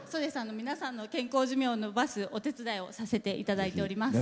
皆さんの健康寿命を延ばすお手伝いをさせていただいております。